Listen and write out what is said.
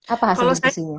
apa hasil diskusinya